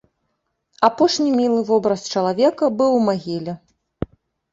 Апошні мілы вобраз чалавека быў у магіле.